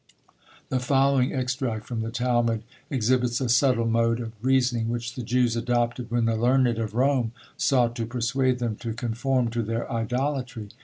The following extract from the Talmud exhibits a subtile mode of reasoning, which the Jews adopted when the learned of Rome sought to persuade them to conform to their idolatry.